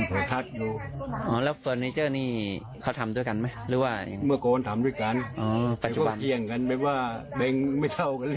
เบงเคียงกันแล้วก็เลิกกันไป